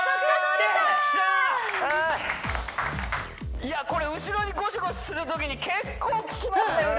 いやこれ後ろにゴシゴシするときに結構ききますね